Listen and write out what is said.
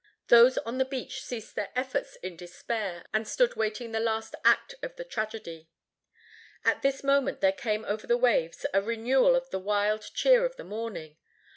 Those on the beach ceased their efforts in despair, and stood waiting the last act of the tragedy. At this moment there came over the waves a renewal of the wild cheer of the morning.